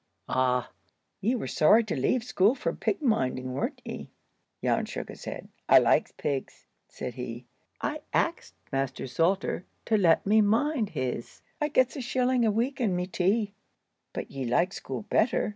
"Ah! ye were sorry to leave school for pig minding, weren't ye?" Jan shook his head. "I likes pigs," said he. "I axed Master Salter to let me mind his. I gets a shilling a week and me tea." "But ye like school better?